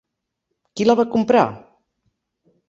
Qui la va comprar?